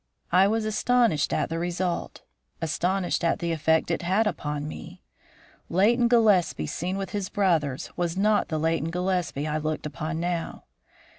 I was astonished at the result; astonished at the effect it had upon me. Leighton Gillespie seen with his brothers was not the Leighton Gillespie I looked upon now.